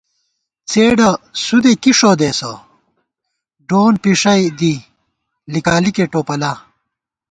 څېڈہ سُودےکی ݭودېسہ، ڈونڈپھِݭئ دی، لِکالِکےٹوپلا